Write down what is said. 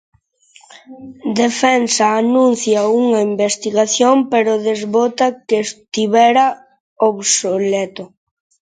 Defensa anuncia unha investigación, pero desbota que estivera obsoleto.